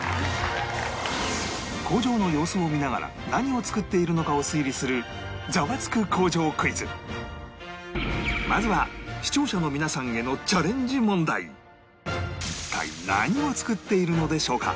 工場の様子を見ながら何を作っているのかを推理するまずは視聴者の皆さんへの一体何を作っているのでしょうか？